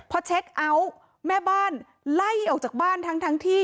พอเช็คเอาท์แม่บ้านไล่ออกจากบ้านทั้งที่